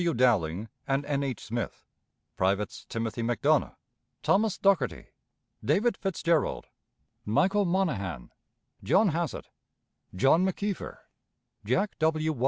W. Dowling and N. H. Smith; Privates Timothy McDonough, Thomas Dougherty, David Fitzgerald, Michael Monahan, John Hassett, John McKeefer, Jack W.